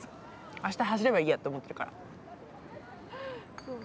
明日走ればいいやって思ってるから。